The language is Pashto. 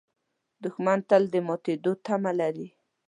دښمن تل د ماتېدو تمه لري